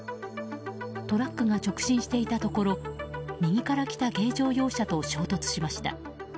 トラックが直進していたところ右から来た軽乗用車と衝突しました。